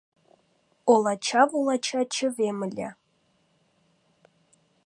Олача-вулача чывем ыле